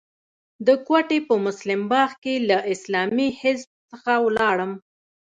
د کوټې په مسلم باغ کې له اسلامي حزب څخه ولاړم.